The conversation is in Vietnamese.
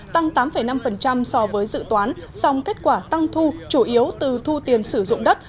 tăng tám năm so với dự toán song kết quả tăng thu chủ yếu từ thu tiền sử dụng đất